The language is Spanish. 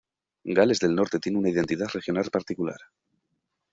Gales del Norte tiene una identidad regional particular.